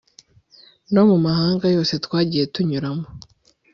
no mu mahanga yose twagiye tunyuramo